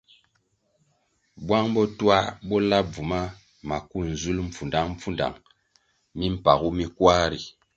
Bwang bo twā bo la bvuma maku nzulʼ mpfudangpfudang mimpagu mi kwar ri.